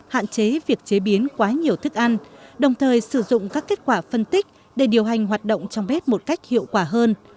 hạn chế việc chế biến quá nhiều thức ăn đồng thời sử dụng các kết quả phân tích để điều hành hoạt động trong bếp một cách hiệu quả hơn